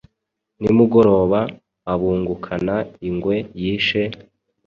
nimugoroba abungukana ingwe yishe,